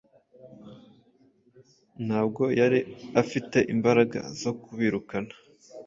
ntabwo yari afite imbaraga zo kubirukana